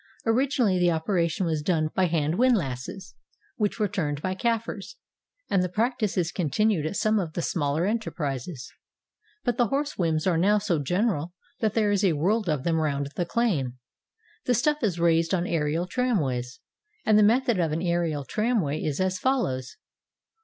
Originally the operation was done by hand windlasses which were turned by Kafirs, and the prac tice is continued at some of the smaller enterprises ;—■ but the horse whims are now so general that there is a world of them round the claim. The stuff is raised on aerial tramways, — and the method of an aerial tram way is as follows.